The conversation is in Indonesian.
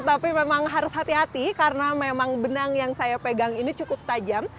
tapi memang harus hati hati karena memang benang yang saya pegang ini cukup tajam